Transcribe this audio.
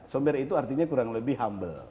somber itu artinya kurang lebih humble